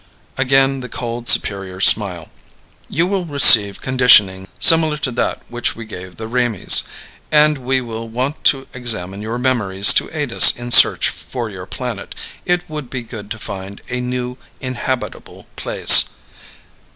Again the cold, superior smile. "You will receive conditioning similar to that which we gave the Raimees. And we will want to examine your memories to aid us in our search for your planet. It would be good to find a new inhabitable place."